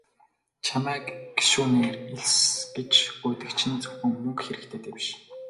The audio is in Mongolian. Чамайг гишүүнээр элс гэж гуйдаг чинь зөвхөн мөнгө хэрэгтэйдээ биш.